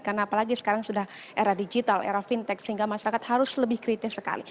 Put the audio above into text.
karena apalagi sekarang sudah era digital era fintech sehingga masyarakat harus lebih kritis sekali